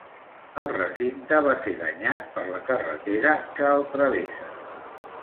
El recinte va ser danyat per la carretera que el travessa.